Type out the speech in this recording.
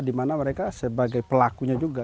di mana mereka sebagai pelakunya juga